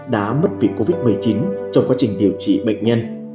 đã mất vì covid một mươi chín trong quá trình điều trị bệnh nhân